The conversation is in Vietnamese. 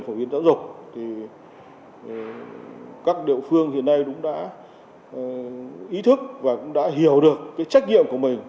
phổ biến giáo dục thì các địa phương hiện nay cũng đã ý thức và cũng đã hiểu được cái trách nhiệm của mình